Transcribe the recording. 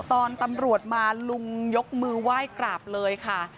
ตอนตำรวจมาลุงยกมือไหว้กราบเลยค่ะ